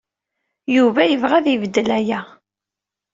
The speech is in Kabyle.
Yuba yebɣa ad ibeddel aya.